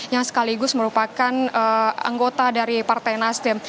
yang sekaligus merupakan anggota dari partai nasdem